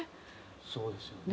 そうですよね。